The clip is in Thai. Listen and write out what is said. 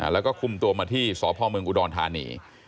แล้วก็คุมตัวมาที่สพเมืองอุดรธานี